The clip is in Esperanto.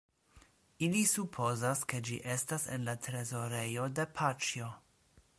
Ili supozas ke ĝi estas en la trezorejo de Paĉjo.